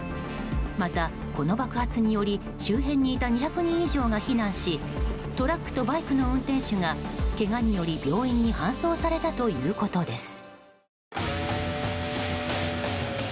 また、この爆発により周辺にいた２００人以上が避難しトラックとバイクの運転手がけがにより病院に搬送されたということです。